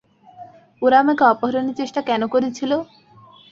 ওরা আমাকে অপহরণের চেষ্টা কেন করছিলো?